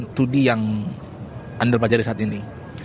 studi yang anda pelajari saat ini